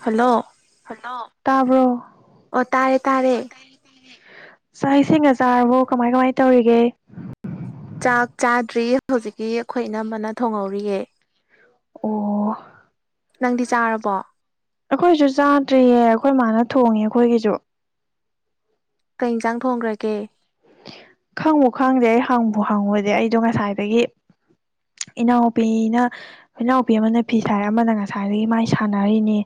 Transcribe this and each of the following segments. hello ꯇꯥꯕ꯭ꯔꯣ ꯑꯣ ꯇꯥꯔꯦ ꯇꯥꯔꯦ ꯆꯥꯛ ꯏꯁꯤꯡ ꯆꯖꯥꯔꯕꯣ ꯀꯃꯥꯏ ꯀꯃꯥꯏ ꯇꯧꯔꯤꯒꯦ ꯆꯥꯛ ꯆꯥꯗ꯭ꯔꯤ ꯍꯧꯖꯤꯛꯀꯤ ꯑꯩꯈꯣꯏ ꯑꯅꯝꯕꯅ ꯊꯣꯡꯍꯧꯔꯤꯌꯦ ꯑꯣ ꯅꯪꯗꯤ ꯆꯥꯔꯕꯣ ꯑꯩꯈꯣꯏꯁꯨ ꯆꯥꯗ꯭ꯔꯤꯌꯦ ꯑꯩꯈꯣꯏ ꯃꯥꯅ ꯊꯣꯡꯉꯦ ꯑꯩꯈꯣꯏꯒꯤꯁꯨ ꯀꯩ ꯏꯟꯁꯥꯡ ꯊꯣꯡꯈ꯭ꯔꯒꯦ ꯈꯪꯕꯨ ꯈꯪꯗꯦ ꯑꯩ ꯍꯪꯕ ꯍꯪꯉꯨꯗꯤ ꯑꯩꯗꯣ ꯉꯁꯥꯏꯗꯒꯤ ꯏꯅꯥꯎꯨꯄꯤꯅ ꯏꯅꯥꯎꯨꯄꯤ ꯑꯃꯅ ꯐꯤꯁ ꯍꯥꯏꯔꯦ ꯑꯃꯅ ꯉꯁꯥꯏꯗꯒꯤ ꯃꯥꯏ ꯁꯥꯟꯅꯔꯤꯅꯤ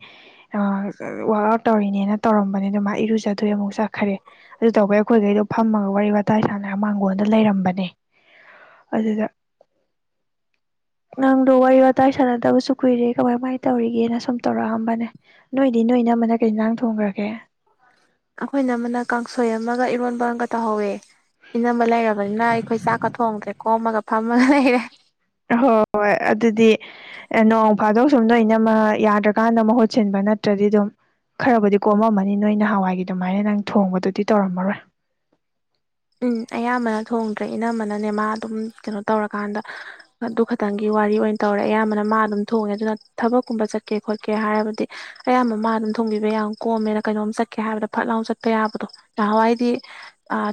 ꯋꯥꯛ ꯑꯎꯠ ꯇꯧꯔꯤꯅꯦꯅ ꯇꯧꯔꯝꯕꯅꯦ ꯑꯗꯨ ꯃꯥ ꯏꯔꯨꯖꯊꯣꯛꯑꯦ ꯑꯃꯨꯛ ꯆꯠꯈꯔꯦ ꯑꯗꯨ ꯇꯧꯕꯩ ꯑꯩꯈꯣꯏ ꯈꯩꯗꯣ ꯐꯝꯃꯒ ꯋꯥꯔꯤ ꯋꯥꯋꯇꯥꯏ ꯁꯥꯟꯅ ꯃꯥꯡꯒꯣꯜꯗ ꯂꯩꯔꯝꯕꯅꯦ ꯑꯗꯨꯗ ꯅꯪꯗꯣ ꯋꯥꯔꯤ ꯋꯥꯇꯥꯏ ꯁꯥꯟꯅꯗꯕꯁꯨ ꯀꯨꯏꯔꯦ ꯀꯃꯥꯏ ꯀꯃꯥꯏꯅ ꯇꯧꯔꯤꯒꯦꯅ ꯁꯨꯝ ꯇꯧꯔꯛꯑꯝꯕꯅꯦ ꯅꯣꯏꯗꯤ ꯅꯣꯏ ꯢꯅꯝꯃꯅ ꯀꯩ ꯏꯟꯖꯥꯡ ꯊꯣꯡꯒ꯭ꯔꯒꯦ ꯑꯩꯈꯣꯏ ꯢꯅꯝꯃꯅ ꯀꯥꯡꯁꯣꯏ ꯑꯃꯒ ꯏꯔꯣꯟꯕ ꯑꯃꯒ ꯇꯧꯍꯧꯋꯦ ꯏꯅꯝꯕ ꯂꯩꯔꯕꯅꯤꯅ ꯑꯩꯈꯣꯏ ꯆꯥꯛꯀ ꯊꯣꯡꯗ꯭ꯔꯦ ꯀꯣꯝ ꯑꯃꯒ ꯍꯣꯏ ꯑꯗꯨꯗꯤ ꯅꯣꯡ ꯐꯥꯗꯧ ꯁꯨꯝꯗ ꯑꯩꯢꯅꯝꯃ ꯌꯥꯗ꯭ꯔꯀꯥꯟꯗ ꯃꯍꯨꯠ ꯁꯤꯟꯕ ꯅꯠꯇ꯭ꯔꯗꯤ ꯑꯗꯨꯝ ꯈꯔꯕꯨꯗꯤ ꯀꯣꯝꯃꯝ ꯃꯅꯤ ꯅꯣꯏ ꯅꯍꯥꯟ ꯋꯥꯏꯒꯤ ꯑꯗꯨꯃꯥꯏꯅ ꯅꯪ ꯊꯣꯡꯕꯗꯨꯗꯤ ꯇꯧꯔꯝ ꯃꯔꯣꯏ ꯎꯝ ꯑꯌꯥꯝꯕꯅ ꯊꯣꯡꯗ꯭ꯔꯦ ꯏꯅꯝꯕꯅꯅꯦ ꯃꯥ ꯑꯗꯨꯝ ꯀꯩꯅꯣ ꯇꯧꯔꯀꯥꯟꯗ ꯑꯗꯨ ꯈꯛꯇꯪꯒꯤ ꯋꯥꯔꯤ ꯑꯣꯏꯅ ꯇꯧꯔꯦ ꯑꯌꯥꯝꯕꯅ ꯃꯥ ꯑꯗꯨꯝ ꯊꯣꯡꯉꯦ ꯑꯗꯨꯅ ꯊꯕꯛꯀ ꯆꯠꯀꯦ ꯈꯣꯠꯀꯦ ꯍꯥꯏꯔꯕꯗꯤ ꯑꯌꯥꯝꯕ ꯃꯥ ꯑꯗꯨꯝ ꯊꯣꯡꯕꯤꯕ ꯌꯥꯝ ꯀꯣꯝꯃꯦꯅ ꯀꯩꯅꯣꯝ ꯆꯠꯀꯦ ꯍꯥꯏꯕꯗ ꯐꯠ ꯂꯥꯎꯅ ꯆꯠꯄ ꯌꯥꯕꯗꯣ ꯅꯍꯥꯟꯋꯥꯏꯗꯤ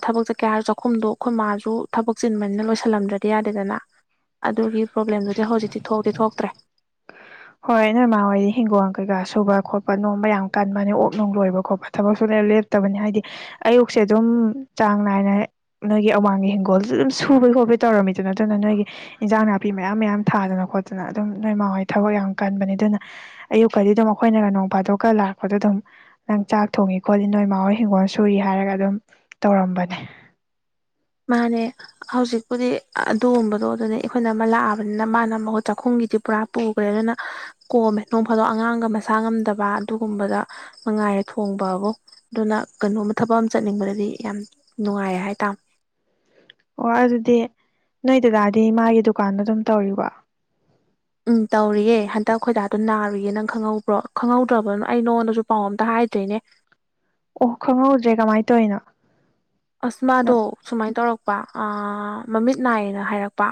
ꯊꯕꯛ ꯆ ꯀꯌꯥ ꯆꯥꯛꯈꯨꯝꯗꯣ ꯑꯩꯈꯣꯏ ꯃꯥꯁꯨ ꯊꯕꯛ ꯆꯤꯟꯕꯅꯤꯅ ꯂꯣꯏꯁꯤꯜꯂꯝꯗ꯭ꯔꯗꯤ ꯌꯥꯗꯦꯗꯅ ꯑꯗꯨꯒꯤ ꯄ꯭ꯔꯣꯕ꯭ꯂꯦꯝꯗꯨꯗꯤ ꯍꯧꯖꯤꯛꯇꯤ ꯊꯣꯛꯇꯤ ꯊꯣꯛꯇ꯭ꯔꯦ ꯍꯣꯏ ꯅꯣꯢꯃꯥ ꯍꯣꯏꯗꯤ ꯍꯤꯡꯒꯣꯜ ꯀꯩꯀꯥ ꯁꯨꯕ ꯈꯣꯠꯄ ꯅꯣꯝꯕ ꯌꯥꯝ ꯀꯟꯕꯅꯦ ꯑꯣꯛ ꯅꯨꯡ ꯂꯣꯏꯕ ꯈꯣꯠꯄ ꯊꯕꯛꯁꯨ ꯂꯩ ꯂꯦꯞꯇꯕꯅꯦ ꯍꯥꯏꯗꯤ ꯑꯌꯨꯛꯁꯦ ꯑꯗꯨꯝ ꯆꯥꯡ ꯅꯥꯏꯅ ꯅꯣꯏꯒꯤ ꯑꯋꯥꯥꯡꯒꯤ ꯍꯤꯡꯒꯣꯜꯁꯨ ꯑꯗꯨꯝ ꯁꯨ ꯍꯣꯕꯦ ꯍꯣꯕꯦ ꯇꯧꯔꯝꯃꯤꯗꯨ ꯅꯠꯇꯅ ꯅꯣꯏꯒꯤ ꯏꯟꯖꯥꯡ ꯅꯥꯄꯤ ꯃꯌꯥꯝ ꯃꯌꯥꯝ ꯊꯥꯗꯅ ꯈꯣꯠꯇꯅ ꯑꯗꯨꯝ ꯅꯣꯏ ꯃꯥ ꯍꯣꯏ ꯊꯕꯛ ꯌꯥꯝ ꯀꯟꯕꯅꯤ ꯑꯗꯨꯅ ꯑꯌꯨꯛꯀꯗꯤ ꯑꯗꯨꯝ ꯑꯩꯈꯣꯏꯅ ꯅꯣꯡ ꯐꯥꯗꯣꯛꯀ ꯂꯥꯛꯄꯗꯣ ꯑꯗꯨꯝ ꯅꯪ ꯆꯥꯛ ꯊꯣꯡꯉꯦ ꯈꯣꯠꯂꯦ ꯅꯣꯏ ꯃꯥ ꯍꯣꯏ ꯍꯤꯡꯒꯣꯜ ꯁꯨꯏ ꯍꯥꯏꯔꯒ ꯑꯗꯨꯝ ꯇꯧꯔꯝꯕꯅꯦ ꯃꯥꯅꯦ ꯍꯧꯖꯤꯛꯄꯨꯗꯤ ꯑꯗꯨꯒꯨꯝꯕꯗꯣ ꯑꯗꯨꯗꯩ ꯑꯩꯈꯣꯏ ꯏꯅꯝꯃ ꯂꯥꯛꯑꯕꯅꯤꯅ ꯃꯥꯅ ꯃꯍꯨꯠ ꯆꯥꯛꯈꯨꯝꯒꯤ ꯄꯨꯔꯥ ꯄꯨꯈ꯭ꯔꯦ ꯑꯗꯨꯅ ꯀꯣꯝꯃꯦ ꯅꯣꯡ ꯐꯥꯗꯣ ꯑꯉꯥꯡꯒ ꯃꯁꯥ ꯉꯝꯗꯕ ꯑꯗꯨꯒꯨꯝꯕꯗ ꯅꯨꯡꯉꯥꯏꯔꯦ ꯊꯣꯡꯕꯕꯨ ꯑꯗꯨꯅ ꯀꯩꯅꯣꯝꯃ ꯊꯕꯛ ꯑꯃ ꯆꯠꯅꯤꯡꯕꯗꯤ ꯌꯥꯝ ꯅꯨꯡꯉꯥꯏꯌꯦ ꯍꯥꯏꯇꯥꯥꯝꯅꯦ ꯑꯣ ꯑꯗꯨꯗꯤ ꯅꯣꯏ ꯗꯥꯗꯤ ꯃꯥꯒꯤ ꯗꯨꯀꯥꯟꯗ ꯑꯗꯨꯝ ꯇꯧꯔꯤꯕꯣ ꯎꯝ ꯇꯧꯔꯤꯌꯦ ꯍꯟꯗꯛ ꯈꯣꯏꯗꯥꯗꯣ ꯅꯥꯔꯨꯌꯦ ꯅꯪ ꯈꯪꯍꯧꯕ꯭ꯔꯣ ꯈꯪꯍꯧꯗ꯭ꯔꯕꯅꯣ ꯑꯩ ꯅꯉꯣꯟꯗꯁꯨ ꯄꯥꯎ ꯑꯝꯇ ꯍꯥꯏ ꯍꯥꯢꯗ꯭ꯔꯦꯅꯦ ꯑꯣ ꯈꯪꯍꯧꯗ꯭ꯔꯦ ꯀꯃꯥꯏꯅ ꯇꯧꯔꯤꯅꯣ ꯑꯁ ꯃꯥꯗꯣ ꯅꯪ ꯁꯨꯃꯥꯏꯅ ꯇꯧꯔꯛꯄ ꯃꯃꯤꯠ ꯅꯥꯏꯌꯦꯅ ꯍꯥꯏꯔꯛꯄ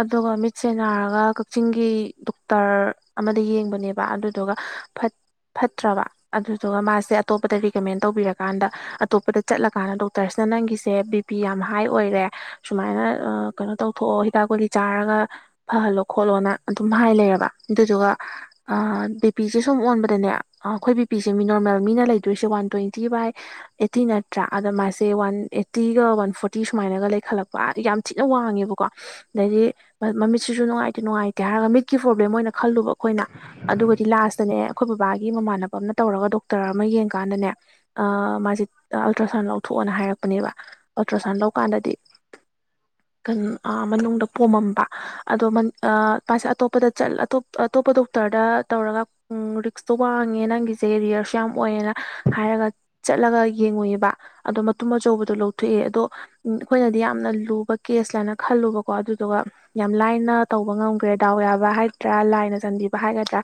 ꯑꯗꯨꯒ ꯃꯤꯠꯁꯦ ꯅꯥꯔꯒ ꯀꯛꯆꯤꯡꯒꯤ ꯗꯣꯛꯇꯔ ꯑꯃꯗ ꯌꯦꯡꯕꯅꯦꯕ ꯑꯗꯨꯗꯨꯒ ꯐꯠ ꯐꯠꯇ꯭ꯔꯕ ꯑꯗꯨꯗꯨꯒ ꯃꯥꯁꯦ ꯑꯇꯣꯞꯄꯗ ꯔꯤꯀꯃꯦꯟ ꯇꯧꯕꯤꯔꯀꯥꯟꯗ ꯑꯇꯣꯞꯄꯗ ꯆꯠꯂꯀꯥꯟꯗ ꯗꯣꯛ ꯗꯣꯛꯇꯔꯁꯅ ꯅꯪꯒꯤꯁꯦ ꯕꯤ ꯄꯤ ꯌꯥꯝꯅ ꯍꯥꯏ ꯑꯣꯏꯔꯦ ꯁꯨꯃꯥꯏꯅ ꯀꯩꯅꯣ ꯇꯧꯊꯣꯛꯑꯣ ꯍꯤꯗꯥꯛ ꯀꯨꯂꯤ ꯆꯥꯔꯒ ꯐꯜꯂꯣ ꯈꯣꯠꯂꯣꯅ ꯑꯗꯨꯝ ꯍꯥꯏ ꯂꯩꯔꯕ ꯑꯗꯨꯗꯨꯒ ꯕꯤꯄꯤꯁꯦ ꯁꯨꯝ ꯑꯣꯟꯕꯗ ꯅꯦ ꯑꯩꯈꯣꯏ ꯕꯤ ꯄꯤꯁꯦ ꯃꯤ ꯅꯣꯔꯃꯦꯜ ꯃꯤꯅ ꯂꯩꯗꯣꯏꯁꯦ ꯋꯥꯟ ꯇ꯭ꯋꯦꯟꯇꯤ ꯕꯥꯏ ꯑꯦꯠꯇꯤ ꯅꯠꯇ꯭ꯔꯥ ꯑꯗꯨ ꯃꯥꯁꯦ ꯋꯥꯟ ꯑꯦꯠꯇꯤꯒ ꯋꯥꯟ ꯐꯣꯔꯇꯤ ꯁꯨꯃꯥꯏꯅꯒ ꯂꯩꯈꯠꯂꯛꯄ ꯌꯥꯝ ꯊꯤꯅ ꯋꯥꯡꯉꯦꯕꯀꯣ ꯑꯗꯩꯗꯤ ꯃꯃꯤꯠꯁꯤꯁꯨ ꯅꯨꯡꯉꯥꯏꯇꯦ ꯅꯨꯡꯉꯥꯏꯇꯦ ꯍꯥꯢꯔꯒ ꯃꯤꯠꯀꯤ ꯄ꯭ꯔꯣꯕ꯭ꯂꯦꯝ ꯑꯣꯏꯅ ꯈꯜꯂꯨꯕ ꯑꯩꯈꯣꯏꯅ ꯑꯗꯨꯒꯗꯤ ꯂꯥꯁꯇꯅꯦ ꯑꯩꯈꯣꯏ ꯕꯕꯥꯒꯤ ꯃꯃꯥꯟꯅꯕ ꯑꯃꯅ ꯇꯧꯔꯒ ꯗꯣꯛꯇꯔ ꯑꯃ ꯌꯦꯡꯀꯥꯟꯗꯅꯦ ꯑꯥ ꯃꯥꯁꯦ ꯑꯜꯇ꯭ꯔꯥꯁꯥꯎꯟ ꯂꯧ ꯊꯣꯛꯑꯣꯅ ꯍꯥꯏꯔꯛꯄꯅꯦꯕ ꯑꯜꯇ꯭ꯔꯥꯁꯥꯎꯟ ꯂꯧꯀꯥꯟꯗꯗꯤ [inaudible] ꯑꯥ ꯃꯅꯨꯡꯗ ꯄꯣꯝꯃꯝꯕ ꯑꯗꯣ ꯑꯥ ꯄꯥꯁꯦ ꯑꯇꯣꯞꯄꯗ ꯆꯠ ꯑꯇꯣꯞꯄ ꯗꯣꯛꯇꯔ ꯇꯔꯗ ꯇꯧꯔꯒ ꯎꯝ ꯔꯤꯛꯁꯇꯣ ꯋꯥꯡꯑꯦꯅ ꯅꯪꯒꯤꯁꯦ ꯔꯤꯌꯔꯁꯨ ꯌꯥꯝ ꯑꯣꯢꯑꯦꯅ ꯍꯥꯢꯔꯒ ꯆꯠ ꯆꯠꯂꯒ ꯌꯦꯡꯉꯨꯏꯕꯥ ꯑꯗꯣ ꯃꯇꯨꯝ ꯑꯆꯧꯕꯗꯣ ꯂꯧꯊꯣꯛꯑꯦ ꯑꯗꯣ ꯑꯩꯈꯣꯏꯅꯗꯤ ꯌꯥꯝꯅ ꯂꯨꯕ ꯀꯦꯁ ꯂꯥꯏꯅ ꯈꯜꯂꯨꯕꯀꯣ ꯑꯗꯨꯗꯨꯒ ꯌꯥꯝ ꯂꯥꯏꯅ ꯇꯧꯕ ꯉꯝꯈ꯭ꯔꯦ ꯗꯥꯎ ꯌꯥꯕ ꯍꯥꯏꯒꯗ꯭ꯔꯥ ꯂꯥꯏꯅ ꯆꯟꯕꯤꯕ ꯍꯥꯏꯒꯗ꯭ꯔꯥ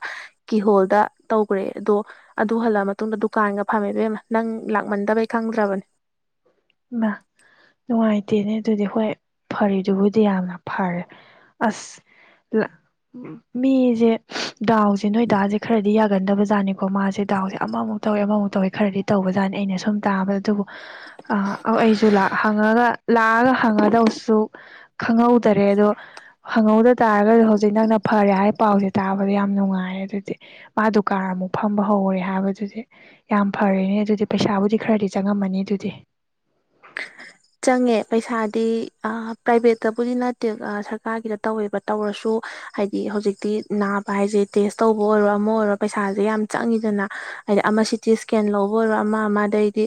ꯀꯤꯍꯣꯜꯗ ꯇꯧꯈ꯭ꯔꯦ ꯑꯗꯣ ꯑꯗꯨ ꯍꯜꯂꯛ ꯃꯇꯨꯡꯗ ꯗꯨꯀꯥꯟꯒ ꯐꯝꯃꯦ ꯏꯕꯦꯝꯃ ꯅꯪ ꯂꯥꯛꯃꯟꯗꯕꯩ ꯈꯪꯗ꯭ꯔꯕꯅꯦ ꯍꯩꯃ ꯅꯨꯡꯉꯥꯏꯇꯦꯅꯦ ꯑꯗꯨꯗꯤ ꯍꯣꯏ ꯐꯔꯤꯗꯨꯕꯨꯗꯤ ꯌꯥꯝꯅ ꯐꯔꯦ ꯑꯁ ꯃꯤꯁꯦ ꯗꯥꯎꯁꯦ ꯅꯣꯏ ꯗꯥꯁꯦ ꯈꯔꯗꯤ ꯌꯥꯒꯟꯗꯕ ꯖꯥꯠꯅꯤꯀꯣ ꯃꯥꯁꯦ ꯗꯥꯎꯁꯦ ꯑꯃꯃꯨꯛ ꯇꯧꯏꯦ ꯑꯃꯃꯨꯛ ꯇꯧꯋꯦ ꯈꯔꯗꯤ ꯇꯧꯕꯖꯥꯠꯅꯤ ꯑꯩꯅ ꯁꯨꯝ ꯇꯥꯕꯗ ꯑꯗꯨꯕꯨ ꯑꯩꯁꯨ ꯂꯥꯛꯑ ꯍꯪꯉꯒ ꯂꯥꯛꯑꯒ ꯍꯪꯉꯗꯧꯁꯨ ꯈꯪꯍꯧꯗꯔꯦ ꯑꯗꯣ ꯈꯪꯍꯧꯗ ꯇꯥꯔꯒꯗꯤ ꯍꯧꯖꯤꯛ ꯅꯪꯅ ꯐꯔꯦ ꯍꯥꯏ ꯄꯥꯎꯁꯦ ꯇꯥꯗ ꯌꯥꯝ ꯅꯨꯡꯉꯥꯏꯔꯦ ꯑꯗꯨꯗꯤ ꯃꯥ ꯗꯨꯀꯥꯟ ꯑꯃꯨꯛ ꯐꯝꯕ ꯍꯧꯔꯦ ꯍꯥꯏꯕꯗꯨꯗꯤ ꯌꯥꯝ ꯐꯔꯦꯅꯦ ꯑꯗꯨꯗꯤ ꯄꯩꯁꯥ ꯥꯕꯨꯗꯤ ꯈꯔꯗꯤ ꯆꯪꯉꯝꯃꯅꯤ ꯑꯗꯨꯗꯤ ꯆꯪꯉꯦ ꯄꯩꯁꯥꯗꯤ ꯄ꯭ꯔꯥꯏꯚꯦꯠꯇꯕꯨꯗꯤ ꯅꯠꯇꯦ ꯁꯔꯀꯥꯔꯒꯤꯗ ꯇꯧꯋꯦꯕ ꯇꯧꯔꯁꯨ ꯍꯥꯏꯗꯤ ꯍꯧꯖꯤꯛꯇꯤ ꯅ ꯅꯥꯕ ꯍꯤꯢꯁꯤꯗꯤ ꯇꯦꯁꯇꯧꯕ ꯑꯣꯏꯔꯣ ꯑꯃ ꯑꯣꯢꯔꯣ ꯄꯩꯁꯥꯁꯦ ꯌꯥꯝ ꯆꯪ ꯏꯗꯅ ꯍꯥꯢꯗꯤ ꯑꯃ ꯁꯤꯇꯤ ꯁ꯭ꯀꯦꯟ ꯂꯧꯕ ꯑꯣꯢꯔꯣ ꯑꯃ ꯑꯃꯗꯩꯗꯤ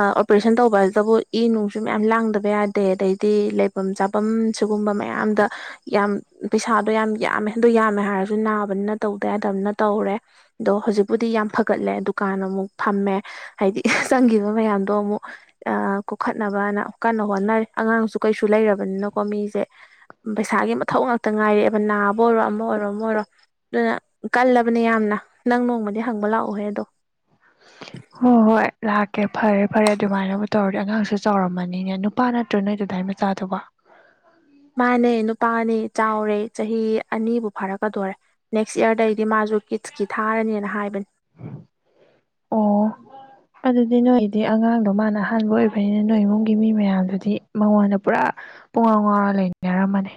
ꯑꯣꯄꯔꯦꯁꯟ ꯇꯧꯕ ꯍꯥꯏꯁꯤꯗꯕꯨ ꯏ ꯅꯨꯡ ꯁꯨ ꯃꯌꯥꯝ ꯂꯥꯡꯗꯕ ꯌꯥꯗꯦ ꯑꯗꯩꯗꯤ ꯂꯩꯐꯝ ꯆꯥꯐꯝ ꯁꯤꯒꯨꯝꯕ ꯃꯌꯥꯝꯗ ꯌꯥꯝ ꯄꯩꯁꯥꯗꯣ ꯌꯥꯝ ꯌꯥꯝꯃꯦ ꯑꯗꯣ ꯌꯥꯝꯃꯦ ꯍꯥꯏꯔꯁꯨ ꯅꯥꯕꯅꯤꯅ ꯇꯧꯗꯦ ꯍꯥꯏꯗꯕꯅ ꯇꯧꯔꯦ ꯑꯗꯣ ꯍꯧꯖꯤꯛꯄꯨꯗꯤ ꯌꯥꯝ ꯐꯒꯠꯂꯦ ꯗꯨ ꯀꯥꯟꯅ ꯑꯃꯨꯛ ꯐꯝꯃꯦ ꯍꯥꯏꯗꯤ ꯆꯪꯈꯤꯕ ꯃꯌꯥꯝꯗꯣ ꯑꯃꯨꯛ ꯑ ꯀꯨꯈꯠ ꯅꯕꯅ ꯀꯟꯅ ꯍꯣꯠꯅꯔꯤ ꯑꯉꯥꯡꯁꯨ ꯀꯩꯁꯨ ꯂꯩꯔꯕꯅꯤꯅꯀꯣ ꯃꯤꯁꯦ ꯄꯩꯁꯥꯒꯤ ꯃꯊꯧ ꯉꯥꯛꯇ ꯉꯥꯏꯔꯛꯑꯦꯕ ꯅꯥꯕ ꯑꯣꯏꯔꯣ ꯑꯃ ꯑꯣꯏꯔꯣ ꯑꯃ ꯑꯣꯏꯔꯣ ꯑꯗꯨꯅ ꯀꯜꯂꯕꯅꯦ ꯌꯥꯝꯅ ꯅꯪ ꯅꯣꯡꯃꯗꯤ ꯍꯪꯕ ꯂꯥꯛꯑꯣꯍꯦ ꯑꯗꯣ [inaudible] ꯍꯣꯏ ꯍꯣꯏ ꯂꯥꯛꯀꯦ ꯐꯔꯦ ꯐꯔꯦ ꯑꯗꯨꯃꯥꯏꯅꯕꯨ ꯇꯧꯔꯗꯤ ꯑꯉꯥꯡꯁꯨ ꯆꯥꯎꯔꯝꯃꯅꯤꯅꯦ ꯅꯨꯄꯥ ꯅꯠꯇ꯭ꯔꯣ ꯅꯣꯏꯗꯗ ꯗꯥ ꯃꯆꯥꯗꯨꯕꯨ ꯃꯥꯅꯦ ꯅꯨꯄꯥꯅꯦ ꯆꯥꯎꯔꯦ ꯆꯍꯤ ꯑꯅꯤꯕꯨ ꯐꯥꯔꯛꯀꯗꯧꯔꯦ ꯅꯦꯛꯁ ꯏꯌꯥꯔꯗꯩꯗꯤ ꯃꯥꯁꯨ ꯀꯤꯠꯁꯀꯤ ꯊꯥꯔꯅꯤꯅ ꯍꯥꯏꯕꯅꯤ ꯑꯣ ꯑꯗꯨꯗꯤ ꯅꯣꯏꯗꯤ ꯑꯉꯥꯡꯗꯣ ꯃꯥꯅ ꯑꯍꯥꯟꯕ ꯑꯣꯏꯕꯅꯤꯅ ꯅꯣꯏ ꯏꯃꯨꯡꯒꯤ ꯃꯤ ꯃꯌꯥꯝꯗꯨꯗꯤ ꯃꯉꯣꯟꯗ ꯄꯨꯔꯥ ꯄꯨꯡ ꯉꯥꯎ ꯉꯥꯎꯔ ꯂꯩꯃꯤꯟꯅꯔꯝꯃꯅꯤ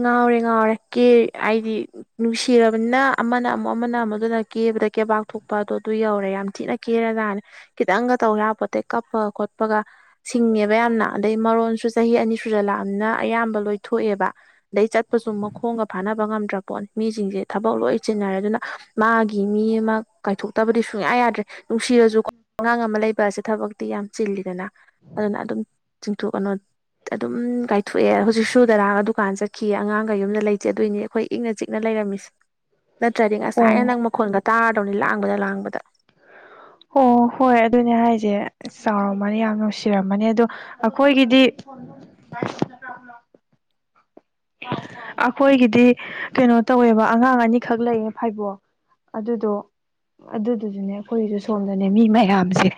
ꯉꯥꯎꯔꯦ ꯉꯥꯎꯔꯦ ꯀꯦ ꯍꯥꯏꯗꯤ ꯅꯨꯡꯁꯤꯔꯕꯅꯤꯅ ꯑꯃꯅ ꯑꯃꯨꯛ ꯑꯃ ꯅꯃꯨꯛ ꯀꯦꯕꯗ ꯀꯦꯕꯥꯛ ꯊꯣꯛꯄꯗꯣ ꯑꯗꯨ ꯌꯧꯔꯦ ꯌꯥꯝ ꯊꯤꯅ ꯀꯦꯔꯖꯅꯦ ꯈꯤꯇꯪꯒ ꯇꯧ ꯌꯥꯄꯣꯠꯇꯦ ꯀꯞꯄ ꯈꯣꯠꯄꯒ ꯁꯤꯡꯉꯦꯕ ꯌꯥꯝꯅ ꯑꯗꯩ ꯃꯔꯣꯟꯁꯨ ꯆꯍꯤ ꯑꯅꯤ ꯁꯨꯖꯜ ꯂꯥꯛꯑꯝꯅꯤꯅ ꯑꯌꯥꯝꯕ ꯂꯣꯏ ꯊꯣꯛꯑꯦꯕ ꯑꯗꯩ ꯆꯠꯄꯁꯨ ꯃꯈꯣꯡꯒ ꯐꯥꯅꯕ ꯉꯝꯗ꯭ꯔ ꯄꯣꯠꯅꯤ ꯃꯤꯁꯤꯡꯁꯦ ꯊꯕꯛ ꯂꯣꯏ ꯆꯤꯟꯅꯔꯦ ꯑꯗꯨꯅ ꯃꯥꯒꯤ ꯃꯤ ꯑꯃ ꯀꯥꯏꯊꯣꯛꯇꯕꯗꯤ ꯁꯨꯡꯌꯥ ꯌꯥꯗ꯭ꯔꯦ ꯅꯨꯡꯁꯤꯔꯁꯨ ꯑꯉꯥꯡ ꯑꯃ ꯂꯩ ꯕꯁꯦ ꯊꯕꯛꯇꯤ ꯌꯥꯝ ꯆꯤꯜꯂꯤꯗꯅ ꯑꯗꯨꯅ ꯑꯗꯨꯝ ꯆꯤꯡꯊꯣꯛꯑꯅꯨ ꯑꯗꯨꯝ ꯀꯥꯏꯊꯣꯛꯑꯦ ꯍꯧꯖꯤꯛꯁꯨ ꯇꯨꯨꯗꯗꯥꯒ ꯗꯨꯀꯥꯟ ꯆꯠꯈꯤꯌꯦ ꯑꯉꯥꯡꯒ ꯌꯨꯝꯗ ꯂꯩꯇꯦ ꯑꯗꯨꯏꯅꯤ ꯑꯈꯣꯏ ꯏꯪꯅ ꯆꯤꯛꯅ ꯂꯩꯔꯝꯃꯤꯁꯦ ꯅꯠꯇ꯭ꯔꯗꯤ ꯉꯁꯥꯏꯅ ꯑꯣ ꯅꯪ ꯃꯈꯣꯟꯒ ꯇꯥꯔꯗꯧꯅꯤ ꯂꯥꯡꯕꯗ ꯂꯥꯡꯕꯗ ꯑꯣ ꯍꯣꯏ ꯑꯗꯨꯅꯦ ꯍꯥꯏꯁꯦ ꯆꯥꯎꯔꯝꯃꯅꯤ ꯌꯥꯝ ꯅꯨꯡꯁꯤꯔꯝꯃꯅꯤ ꯑꯗꯣ ꯑꯩꯈꯣꯏꯒꯤꯗꯤ [unintelligible] ꯑꯈꯣꯏꯒꯤꯗꯤ ꯀꯩꯅꯣ ꯇꯧꯋꯦꯕ ꯑꯉꯥꯡ ꯑꯅꯤꯈꯛ ꯂꯩꯌꯦ ꯐꯥꯏꯕꯣꯛ ꯑꯗꯨꯗꯣ ꯑꯗꯨꯗꯨꯁꯨꯅꯦ ꯑꯩꯈꯣꯏꯁꯨ ꯁꯣꯝꯗꯅꯦ ꯃꯤ ꯃꯌꯥꯝꯁꯦ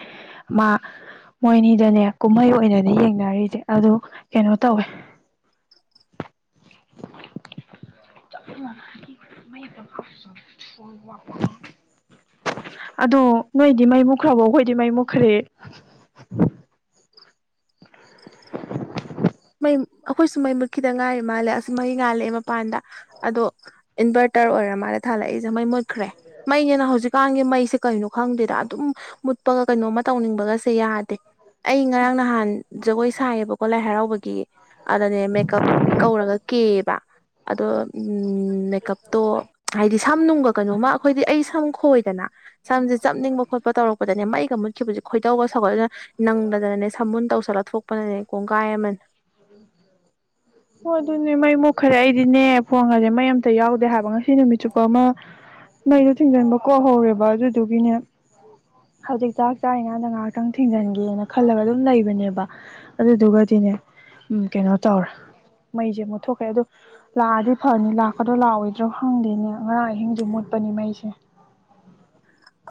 ꯃꯥ ꯃꯣꯏꯅꯤꯗꯅꯦ ꯀꯨꯝꯍꯩ ꯑꯣꯏꯅꯅꯦ ꯌꯦꯡꯅꯔꯤꯁꯦ ꯑꯗꯨ ꯀꯩꯅꯣ ꯇꯧꯋꯦ [inaudible] [unintelligible] ꯑꯗꯣ ꯅꯣꯏꯗꯤ ꯃꯩ ꯃꯨꯈ꯭ꯔꯕꯣ ꯑꯩꯈꯣꯏꯗꯤ ꯃꯩ ꯃꯨꯈ꯭ꯔꯦ ꯃꯩ ꯑꯩꯈꯣꯏꯁꯨ ꯃꯩ ꯃꯨꯠꯈꯤꯗ ꯉꯥꯏꯔꯤ ꯃꯥꯜꯂꯦ ꯑꯁ ꯃꯍꯩ ꯉꯥꯜꯂꯛꯑꯦ ꯃꯄꯥꯟꯗ ꯑꯗꯣ ꯏꯟꯚꯔ ꯇꯔ ꯑꯣꯏꯔ ꯃꯥꯂꯦ ꯊꯥꯜꯂꯛꯏꯁꯦ ꯃꯩ ꯃꯨꯠꯈ꯭ꯔꯦ ꯃꯩꯅꯤꯅ ꯍꯧꯖꯤꯛꯀꯥꯟꯒꯤ ꯃꯩꯁ ꯁꯤ ꯀꯩꯅꯣ ꯈꯪꯗꯦꯗ ꯑꯗꯨꯝ ꯃꯨꯠꯄꯒ ꯀꯩꯅꯣꯝꯃ ꯇꯧꯅꯤꯡꯕꯒꯁꯦ ꯌꯥꯗꯦ ꯑꯩ ꯉꯔꯥꯡ ꯅꯍꯥꯟ ꯖꯒꯣꯏ ꯁꯥꯏꯌꯦꯕꯀꯣ ꯂꯥꯏ ꯍꯔꯥꯎꯕꯒꯤ ꯑꯗꯅꯦ ꯃꯦꯀꯞ ꯀꯧꯔꯒ ꯀꯦꯌꯦꯕ ꯑꯗꯣ ꯃꯦꯀꯞꯇꯣ ꯍꯥꯏꯗꯤ ꯁꯝ ꯅꯨꯡꯒ ꯀꯩꯅꯣꯃ ꯑꯈꯣꯏꯗꯤ ꯑꯩ ꯁꯝ ꯈꯣꯏꯗꯅ ꯁꯝꯁꯦ ꯆꯞꯅꯤꯡꯕ ꯈꯣꯠꯄ ꯇꯧꯔꯛꯄꯗꯅꯦ ꯃꯩꯒ ꯃꯨꯠ ꯈꯤꯕꯁꯦ ꯈꯣꯏꯗꯩꯒ ꯁꯧꯒꯠꯂ ꯅꯪꯗꯅꯅꯦ ꯁꯝꯕꯨꯟ ꯇꯧꯁꯜꯂ ꯊꯣꯛꯄꯅꯅꯦ ꯀꯣꯡꯒꯥꯏ ꯑꯃꯅꯦ ꯎꯝ ꯍꯣꯢ ꯑꯗꯨꯅꯦ ꯃꯩ ꯃꯨꯛꯈ꯭ꯔꯦ ꯑꯩꯗꯤꯅꯦ ꯐꯣꯡꯉꯁꯦ ꯃꯩ ꯑꯝꯇ ꯌꯥꯎꯗꯦ ꯍꯥꯏꯕ ꯉꯁꯤ ꯅꯨꯃꯤꯠ ꯆꯨꯞꯄ ꯑꯃ ꯃꯩꯗꯣ ꯊꯤꯡꯖꯤꯟꯕ ꯀꯣ ꯍꯧꯔꯦꯕ ꯑꯗꯨꯗꯨꯒꯤꯅꯦ ꯍꯧꯖꯤꯛ ꯆꯥꯛ ꯆꯥꯔꯤꯉꯥꯟꯗ ꯉꯥꯏꯍꯥꯛꯇꯪ ꯊꯤꯡꯖꯤꯟꯒꯦꯅ ꯈꯜꯂꯒ ꯑꯗꯨꯝ ꯂꯩꯕꯅꯦꯕ ꯑꯗꯨꯗꯨꯒꯗꯤꯅꯦ ꯎꯝ ꯀꯩꯅꯣ ꯇꯧꯔꯦ ꯃꯩꯁꯦ ꯃꯨꯠꯊꯣꯛꯈ꯭ꯔꯦ ꯑꯗꯨ ꯂꯥꯛꯑꯗꯤ ꯐꯅꯤ ꯂꯥꯛꯀꯗ꯭ꯔꯣ ꯂꯥꯛꯑꯣꯏꯗ꯭ꯔꯣ ꯍꯪꯗꯦꯅꯦ ꯑꯔꯥꯡ ꯑꯍꯤꯡꯁꯨ ꯃꯨꯠ ꯄꯅꯤ ꯃꯩꯁꯦ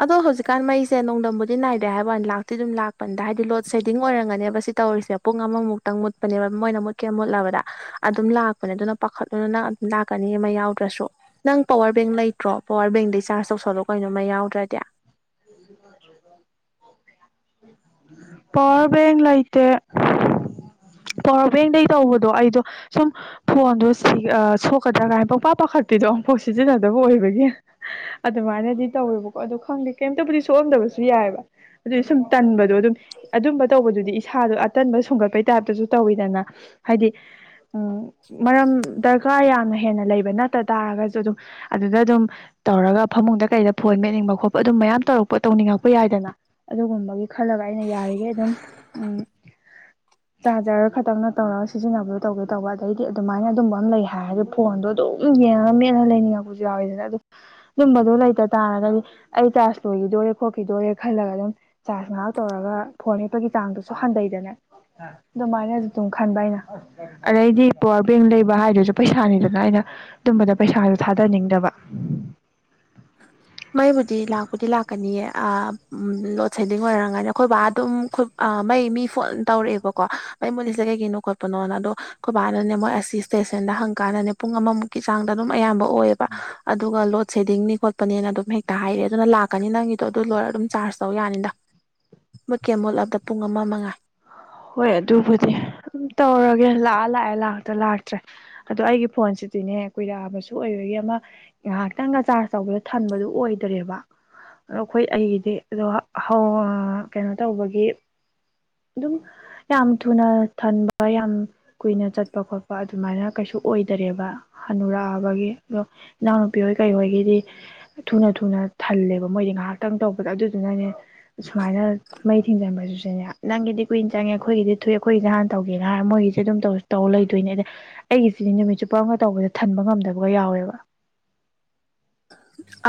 ꯑꯗꯣ ꯍꯧꯖꯤꯛꯀꯥꯟ ꯃꯩꯁꯦ ꯅꯣꯡꯗꯝꯕꯨꯗꯤ ꯅꯥꯏꯗꯦ ꯍꯥꯏꯕ ꯋꯥꯅꯤ ꯂꯥꯛꯇꯤ ꯑꯗꯨꯝ ꯂꯥꯛꯄꯅꯤꯗ ꯍꯥꯏꯗꯤ ꯂꯣꯗ ꯁꯦꯗꯤꯡ ꯑꯣꯏꯔꯝꯒꯅꯦꯕ ꯁꯤ ꯇꯧꯔꯤꯁꯦ ꯁꯦ ꯄꯨꯡ ꯑꯃ ꯃꯨꯛꯇꯡ ꯃꯨꯠꯄꯅꯦ ꯃꯣꯢꯅ ꯃꯨꯛꯀꯦꯅ ꯃꯨꯠꯂꯕꯗ ꯑꯗꯨꯝ ꯂꯥꯛꯄꯅꯦ ꯑꯗꯨꯅ ꯄꯥꯈꯠꯂꯨꯅꯣ ꯅꯪ ꯑꯗꯨꯝ ꯀꯅꯤ ꯃꯩ ꯌꯥꯎꯗ꯭ꯔꯁꯨ ꯅꯪ ꯄꯋꯥꯔ ꯕꯦꯡ ꯂꯩꯇ꯭ꯔꯣ ꯄꯋꯥꯔ ꯕꯦꯡꯗꯩ ꯆꯥꯔꯖ ꯇꯧꯁꯜꯂꯣ ꯀꯩꯅꯣ ꯃꯩ ꯌꯥꯎꯗ꯭ꯔꯗꯤ ꯗꯦ [inaudible] ꯄꯋꯥꯔ ꯕꯦꯡ ꯂꯩꯇꯦ ꯄꯋꯥꯔ ꯕꯦꯡꯗꯒꯤ ꯇꯧꯕꯗꯣ ꯑꯩꯗꯣ ꯁꯨꯝ ꯐꯣꯟꯗꯣ ꯁꯤ ꯑ ꯁꯣꯛꯀꯗ꯭ꯔꯥ ꯀꯥꯏꯅ ꯄꯨꯡꯄꯥ ꯄꯥꯈꯠ ꯀꯨꯔꯇꯤꯗꯣ ꯑꯃꯨꯛꯐꯥꯎ ꯁꯤꯖꯤꯟꯅꯗꯕ ꯑꯣꯏꯕꯒꯤ ꯑꯗꯨꯃꯥꯏꯅꯗꯤ ꯇꯧꯋꯦꯕꯀꯣ ꯑꯗꯨ ꯈꯪꯗꯦ ꯀꯩꯝꯇꯕꯨꯗꯤ ꯁꯣꯛꯑꯝꯗꯕꯁꯨ ꯌꯥꯏꯑꯦꯕ ꯑꯗꯨꯗꯤ ꯁꯨꯝ ꯇꯟꯕꯗꯣ ꯑꯗꯨꯝ ꯑꯗꯨꯝꯕ ꯇꯧꯕꯗꯨꯗꯤ ꯏꯁꯥꯗꯣ ꯑꯇꯟꯕ ꯁꯨꯡꯒꯠꯄꯒꯤ ꯇꯥꯏꯞꯇꯁꯨ ꯇꯧꯋꯤꯗꯅ ꯍꯥꯏꯗꯤ ꯎꯝ ꯃꯔꯝ ꯗꯔꯀꯥꯔ ꯌꯥꯝꯅ ꯍꯦꯟꯅ ꯂꯩꯕ ꯅꯠꯇ ꯇꯥꯔꯒꯁꯨ ꯑꯗꯨꯝ ꯑꯗꯨꯗ ꯑꯗꯨꯝ ꯇꯧꯔꯒ ꯐꯃꯨꯡꯗ ꯀꯩꯗ ꯐꯣꯟ ꯃꯦꯠꯅꯤꯡꯕ ꯈꯣꯠ ꯑꯗꯨꯝ ꯃꯌꯥꯝ ꯇꯧꯔꯛꯄ ꯇꯧꯅꯤꯡꯉꯛꯄ ꯌꯥꯏꯗꯅ ꯑꯗꯨꯒꯨꯝꯕꯒꯤ ꯈꯜꯂꯒ ꯑꯩꯅ ꯌꯥꯔꯤꯈꯩ ꯑꯗꯨꯝ ꯎꯝ ꯆꯥꯔꯖꯔ ꯈꯛꯇꯪꯅ ꯇꯧꯔꯒ ꯁꯤꯖꯤꯟꯅꯕꯣ ꯇꯧꯒꯦ ꯇꯧꯕ ꯑꯗꯩꯗꯤ ꯑꯗꯨꯃꯥꯏꯅ ꯑꯗꯨꯝꯕ ꯑꯃ ꯂꯩ ꯍꯥꯏꯔꯗꯤ ꯐꯣꯟꯗꯣ ꯑꯗꯨ ꯑꯗꯨꯝ ꯌꯦꯡꯉꯒ ꯃꯦꯠꯂꯒ ꯂꯩꯅꯤꯡꯉꯛꯄꯁꯨ ꯌꯥꯎꯋꯤꯗꯅ ꯑꯗꯨ ꯑꯗꯨꯝꯕꯗꯣ ꯂꯩꯇ ꯇꯥꯔꯒꯗꯤ ꯑꯩ ꯆꯥꯔꯖ ꯂꯣꯏꯒꯤꯗꯣꯔꯦ ꯈꯣꯠꯈꯤꯗꯣꯔꯦ ꯈꯜꯂꯒ ꯑꯗꯨꯝ ꯆꯥꯔꯖ ꯉꯥꯏꯍꯥꯛ ꯇꯧꯔꯒ ꯐꯣꯟ ꯃꯦꯠꯄꯒꯤ ꯆꯥꯡꯗꯨꯁꯨ ꯍꯟꯗꯩ ꯖꯅ ꯑꯗꯨꯃꯥꯏꯅ ꯑꯗꯨꯝ ꯈꯟꯕ ꯑꯩꯅ ꯑꯗꯩꯗꯤ ꯄꯋꯥꯔ ꯕꯦꯡ ꯂꯩꯕ ꯍꯥꯏꯗꯁꯨ ꯄꯩꯁꯥꯅꯤꯗꯅ ꯑꯩꯅ ꯑꯗꯨꯝꯕꯗ ꯄꯩꯁꯥꯁꯨ ꯊꯥꯗꯅꯤꯡꯗꯕ ꯃꯩꯕꯨꯗꯤ ꯂꯥꯛꯄꯨꯗꯤ ꯂꯥꯛꯀꯅꯤꯌꯦ ꯑꯥ ꯂꯣꯗ ꯁꯦꯗꯤꯡ ꯑꯣꯏꯔꯝꯒꯅꯤ ꯑꯩꯈꯣꯏ ꯕꯥ ꯑꯗꯨꯝ ꯑ ꯃꯩ ꯃꯤ ꯐꯣꯟ ꯇꯧꯔꯛꯑꯦꯕꯀꯣ ꯃꯩ ꯃꯨꯂꯤꯁꯤ ꯀꯩꯒꯤꯅꯣ ꯈꯣꯠꯄꯅꯣꯅ ꯑꯗꯣ ꯈꯣꯏꯕꯥꯅꯅꯦ ꯃꯣꯏ ꯑꯁꯤ ꯁ꯭ꯇꯦꯁꯟ ꯗ ꯍꯪꯀꯥꯟꯗꯅꯦ ꯄꯨꯡ ꯑꯃꯃꯨꯛꯀꯤ ꯆꯥꯡꯗ ꯑꯗꯨꯝ ꯑꯌꯥꯝꯕ ꯑꯣꯏꯑꯦꯕ ꯑꯗꯨꯒ ꯂꯣꯗ ꯁꯦꯗꯤꯡꯅꯤ ꯈꯣꯠꯄꯅꯦꯅ ꯑꯗꯨꯝ ꯍꯦꯛꯇ ꯍꯥꯏꯔꯛꯑꯦ ꯑꯗꯨꯅ ꯂꯥꯛꯀꯅꯤ ꯅꯪꯒꯤꯗꯣ ꯑꯗꯨ ꯂꯣꯏꯔ ꯑꯗꯨꯝ ꯆꯥꯔꯖ ꯇꯧ ꯌꯥꯅꯤꯗ ꯃꯨꯠꯀꯦ ꯃꯨꯠꯂꯕꯗ ꯄꯨꯡ ꯑꯃ ꯃꯉꯥꯏ ꯍꯣꯏ ꯑꯗꯨꯕꯨꯗꯤ ꯑꯗꯨꯝ ꯇꯧꯔꯒꯦ ꯂꯥꯛꯑ ꯂꯥꯛꯑꯦ ꯂꯥꯛꯇ꯭ꯔ ꯂꯥꯛꯇ꯭ꯔꯦ ꯑꯗꯣ ꯑꯩꯒꯤ ꯐꯣꯟꯁꯤ ꯑꯗꯨꯅꯦ ꯀꯨꯏꯔꯛꯑꯕꯁꯨ ꯑꯣꯏꯕꯒꯤ ꯑꯃ ꯉꯥꯏꯍꯥꯛꯇꯪꯒꯆꯥꯔ ꯇꯧꯕꯗ ꯊꯟꯕꯗꯨ ꯑꯣꯏꯗ꯭ꯔꯦꯕ ꯑꯗꯣ ꯑꯩꯈꯣꯏ ꯑꯩꯒꯤꯗꯤ ꯑꯗꯣ ꯍꯧꯑ ꯑꯥ ꯀꯩꯅꯣ ꯇꯧꯕꯒꯤ ꯑꯗꯨꯝ ꯌꯥꯝ ꯊꯨꯅ ꯊꯟꯕ ꯌꯥꯝ ꯀꯨꯏꯅ ꯆꯠꯄ ꯈꯣꯠꯄ ꯑꯗꯨꯃꯥꯏꯅ ꯀꯩꯁꯨ ꯑꯣꯏꯗꯔꯦꯕ ꯍꯅꯨꯔꯛꯑꯕꯒꯤ ꯑꯗꯣ ꯏꯅꯥꯎꯅꯨꯄꯤ ꯍꯣꯏ ꯀꯩ ꯍꯣꯏꯒꯤꯗꯤ ꯊꯨꯅ ꯊꯨꯅ ꯊꯜꯂꯦꯕ ꯃꯣꯏꯗꯤ ꯉꯥꯏꯍꯥꯛꯇꯪ ꯇꯧꯕꯗ ꯑꯗꯨꯏꯗꯨꯅꯅꯦ ꯁꯨꯃꯥꯏꯅ ꯃꯩ ꯊꯤꯡꯖꯤꯡꯕꯁꯨꯅꯦ ꯅꯪꯒꯤꯗꯤ ꯀꯨꯏꯅ ꯆꯪꯉꯦ ꯑꯩꯈꯣꯏꯗꯤ ꯊꯨꯏ ꯑꯩꯈꯣꯏꯁꯦ ꯍꯥꯟꯅ ꯇꯧꯒꯦꯅ ꯍꯥꯏꯔ ꯃꯣꯏꯒꯤꯁꯦ ꯑꯗꯨꯝ ꯇꯧ ꯂꯩꯗꯣꯏꯅꯦ ꯑꯗꯩ ꯑꯩꯒꯤꯁꯦ ꯁꯤꯗꯤ ꯅꯨꯃꯤꯠ ꯆꯨꯞꯄꯝꯒ ꯇꯧꯕꯁꯦ ꯊꯟꯕ ꯉꯝꯗꯕꯒ ꯌꯥꯎꯋꯦꯕ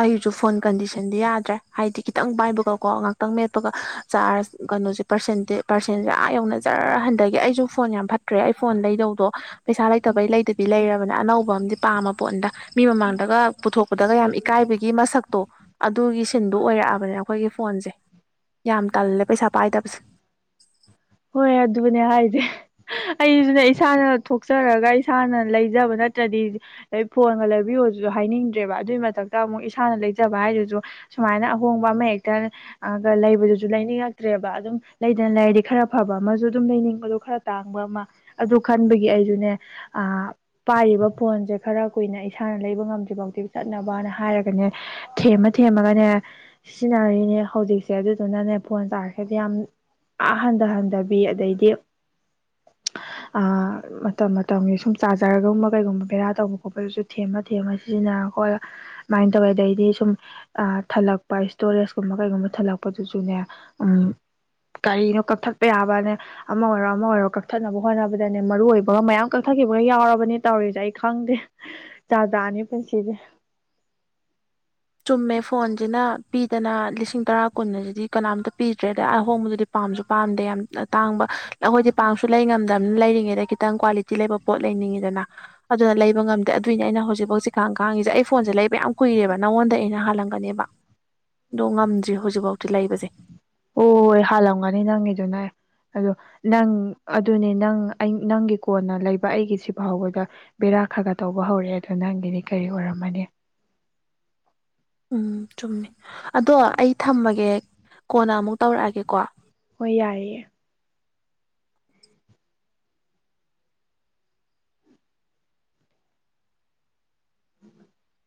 ꯑꯩꯁꯨ ꯐꯣꯟ ꯀꯟꯗꯤꯁꯟꯗꯤ ꯌꯥꯗ꯭ꯔꯦ ꯍꯥꯏꯗꯤ ꯈꯤꯇꯪ ꯄꯥꯏꯕꯒ ꯀꯣ ꯉꯥꯛꯇꯪ ꯃꯦꯠꯄꯒ ꯆꯥꯔꯖ ꯀꯩꯅꯣꯁꯦ ꯄꯥꯔꯁꯦꯟꯇꯦ ꯄꯥꯔꯁꯦꯟꯁꯦ ꯑꯥ ꯌꯧꯅ ꯖꯔ ꯍꯟꯗꯒꯤ ꯑꯩꯁꯨ ꯐꯣꯟ ꯌꯥꯝ ꯐꯠꯇ꯭ꯔꯦ ꯑꯩ ꯐꯣꯟ ꯂꯩꯗꯧꯗꯣ ꯄꯩꯁꯥ ꯂꯩꯇꯕꯩ ꯂꯩꯗꯕꯤ ꯂꯩꯔꯕꯅꯦ ꯑꯅꯧꯕ ꯑꯃꯗꯤ ꯄꯥꯝꯃ ꯄꯣꯠꯅꯤꯗ ꯃꯤ ꯃꯃꯥꯡꯗꯒ ꯄꯨꯊꯣꯛ ꯗꯒ ꯌꯥꯝ ꯏꯀꯥꯏꯕꯒꯤ ꯃꯁꯛꯇꯣ ꯑꯗꯨꯒꯤ ꯁꯤꯟꯗꯣ ꯑꯣꯏꯔꯛꯑꯕꯅꯦ ꯑꯩꯈꯣꯏꯒꯤ ꯐꯣꯟꯁꯦ ꯌꯥꯝ ꯇꯜꯂꯦ ꯄꯩꯁꯥ ꯄꯥꯏꯗꯕꯁꯦ ꯍꯣꯏ ꯑꯗꯨꯅꯦ ꯍꯥꯏꯁꯦ ꯑꯩꯖꯨꯆꯦ ꯏꯁꯥꯅ ꯊꯣꯛꯆꯔꯒ ꯏꯁꯥꯅ ꯂꯩꯖꯕ ꯅꯠꯇ꯭ꯔꯗꯤ ꯐꯣꯟꯒ ꯂꯩꯕꯤꯌꯣ ꯍꯥꯏꯅꯤꯡꯗ꯭ꯔꯦꯕ ꯑꯗꯨꯒꯤ ꯃꯊꯛꯇ ꯑꯃꯨꯛ ꯏꯁꯥꯅ ꯂꯩꯖꯕ ꯍꯥꯏꯗꯨꯁꯨ ꯁꯨꯃꯥꯏꯅ ꯑꯍꯣꯡꯕ ꯑꯃ ꯍꯦꯛꯇ ꯂꯩꯕꯗꯨꯁꯨ ꯂꯩꯅꯤꯡꯉꯛꯇ꯭ꯔꯦꯕ ꯑꯗꯨꯝ ꯂꯩꯗꯅ ꯂꯩꯔꯗꯤ ꯈꯔ ꯑꯐꯕ ꯑꯃꯁꯨ ꯑꯗꯨꯝ ꯂꯩꯅꯤꯡꯕꯗꯣ ꯈꯔ ꯇꯥꯡꯕ ꯑꯃ ꯑꯗꯨ ꯈꯟꯕꯒꯤ ꯑꯩꯁꯨꯅꯦ ꯑꯥ ꯄꯥꯏ ꯐꯣꯟꯁꯦ ꯈꯔ ꯀꯨꯏꯅ ꯏꯁꯥꯅ ꯂꯩꯕ ꯉꯝꯗ꯭ꯔꯤꯐꯥꯎꯗꯤ ꯆꯠꯅꯕ ꯍꯥꯢꯔꯒꯅꯦ ꯊꯦꯝꯃ ꯊꯦꯝꯃꯒ ꯁꯤꯖꯤꯟꯅꯔꯤꯅꯦ ꯍꯧꯖꯤꯛꯁꯦ ꯑꯗꯨꯗꯨꯅꯅꯦ ꯐꯣꯟ ꯆꯥꯔꯖꯁꯦ ꯌꯥꯝ ꯑꯥ ꯇꯥꯍꯟꯗꯕꯤ ꯑꯗꯩꯗꯤ ꯑꯥ ꯃꯇꯝ ꯃꯇꯝꯒꯤ ꯁꯨꯝ ꯆꯥꯔꯖꯔꯒꯨꯝꯕ ꯀꯩꯒꯨꯝꯕ ꯕꯦꯔꯥ ꯇꯧꯕ ꯈꯣꯠꯄꯗꯨꯁꯨ ꯊꯦꯝꯃ ꯊꯦꯝꯃ ꯁꯤꯖꯤꯟꯅ ꯑꯈꯣꯏ ꯃꯥꯏꯟ ꯇꯧꯔꯦ ꯑꯗꯩꯗꯤ ꯁꯨꯝ ꯊꯜꯂꯛꯄ ꯏꯁꯇꯣꯔꯦꯁ ꯀꯨꯝꯕ ꯀꯩꯒꯨꯝꯕ ꯊꯜꯂꯛꯄꯗꯨꯁꯨ ꯅꯦ ꯎꯝ ꯀꯔꯤꯅꯣ ꯀꯛꯊꯠ ꯌꯥꯕꯅꯦ ꯑꯃ ꯑꯣꯏꯔꯣ ꯑꯃ ꯑꯣꯏꯔꯣ ꯀꯛꯊꯠꯅꯕ ꯍꯣꯠꯅꯕꯗꯅꯦ ꯃꯔꯨ ꯑꯣꯏꯕꯒ ꯃꯌꯥꯝ ꯀꯛꯊꯠꯈꯤꯕꯒ ꯌꯥꯎꯔꯕꯅꯦ ꯇꯧꯔ ꯁꯦ ꯑꯩ ꯈꯪꯗꯦ ꯖꯥꯠ ꯖꯥꯠꯅꯤ ꯄꯨꯟꯁꯤꯁꯦ ꯆꯨꯝꯃꯦ ꯐꯣꯟꯁꯤꯅ ꯄꯤꯗꯅ ꯂꯤꯁꯤꯡ ꯇꯔꯥ ꯀꯨꯟ ꯑꯁꯤꯗꯤ ꯀꯅꯥꯝꯇ ꯄꯤꯗ꯭ꯔꯦ ꯑꯗ ꯑꯍꯣꯡꯕꯗꯨꯗꯤ ꯄꯥꯝꯁꯨ ꯄꯥꯝꯗꯦ ꯌꯥꯝ ꯇꯥꯡꯕ ꯑꯩꯈꯣꯏꯗꯤ ꯄꯥꯛꯁꯨ ꯂꯩ ꯉꯝꯗꯝꯅꯤꯅ ꯂꯩꯔꯤꯉꯩꯗ ꯈꯤꯇꯪ ꯀ꯭ꯋꯥꯂꯤꯇꯤ ꯂꯩꯕ ꯄꯣꯠ ꯂꯩꯅꯤꯡꯉꯤꯗꯅ ꯑꯗꯨꯅ ꯂꯩꯕ ꯉꯝꯗꯦ ꯑꯗꯨꯏꯅꯦ ꯑꯩꯅ ꯍꯧꯖꯤꯛꯐꯥꯎ ꯁꯤꯈꯥꯡ ꯈꯥꯡꯉꯤꯁꯦ ꯑꯩ ꯐꯣꯟ ꯁꯤ ꯂꯩꯕ ꯌꯥꯝ ꯀꯨꯏꯔꯦꯕ ꯅꯪꯉꯣꯟꯗ ꯑꯩꯅ ꯍꯥꯜꯂꯝꯒꯅꯦꯕ ꯑꯗꯣ ꯉꯝꯗ꯭ꯔꯤ ꯍꯧꯖꯤꯛꯐꯥꯎꯗꯤ ꯂꯩꯕꯁꯦ ꯍꯣꯢ ꯍꯥꯜꯂꯝꯒꯅꯤ ꯅꯪꯒꯤꯗꯨꯅ ꯑꯗꯣ ꯅꯪ ꯑꯗꯨꯅꯦ ꯅꯪ ꯅꯪꯒꯤ ꯀꯣꯟꯅ ꯂꯩꯕ ꯑꯩꯒꯤꯁꯤ ꯐꯥꯎꯕꯗ ꯕꯦꯔꯥ ꯈꯔ ꯈꯔ ꯇꯧꯕ ꯍꯧꯔꯛꯑꯦ ꯑꯗꯨ ꯅꯪꯒꯤꯗꯤ ꯀꯔꯤ ꯑꯣꯏꯔꯝꯃꯅꯤ ꯎꯝ ꯆꯨꯝꯃꯤ ꯑꯗꯣ ꯑꯩ ꯊꯝꯃꯒꯦ ꯀꯣꯟꯅ ꯑꯃꯨꯛ ꯇꯧꯔꯛꯑꯒꯦꯀꯣ ꯌꯥꯢꯌꯦ [inaudible]